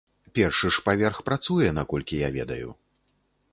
Першы ж паверх працуе, наколькі я ведаю.